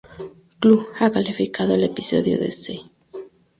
Club" ha calificado el episodio de "C".